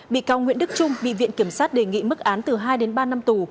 bị cáo nguyễn đức trung bị viện kiểm sát đề nghị mức án từ hai đến ba năm tù